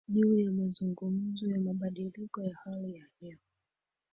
juu ya mazungumzo ya mabadiliko ya hali ya hewa